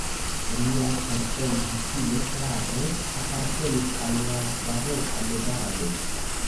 Lia persona stilo klare apartenis al la baroka movado.